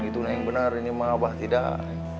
itu yang benar ini memang abang tidak